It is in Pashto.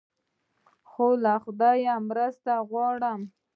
خو له خدایه مرسته غواړم.